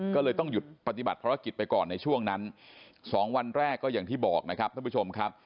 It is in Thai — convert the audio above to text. ก็เลยต้องหยุดปฏิบัติภารกิจไปก่อนในช่วงนั้น๒วันแรกก็อย่างที่บอกนะครับท่านผู้ชมครับ